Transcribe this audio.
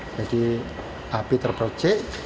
jadi api terpercik